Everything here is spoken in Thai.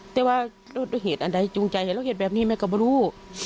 แต่ว่าด้วยเหตุอันจูงใจเห็นแล้วเหตุแบบนี้แม่ก็ไม่รู้